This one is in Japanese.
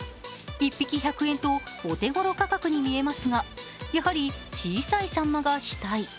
１匹１００円と、お手ごろ価格に見えますが、やはり小さいさんまが主体。